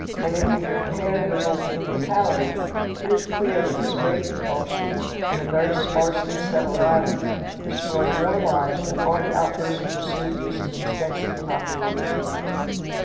And if we compare the resultant fatality, it is clear that this great convulsion, in a very sparsely settled island, destroyed more lives than all the outbursts of Vesuvius in its densely populated neighborhood.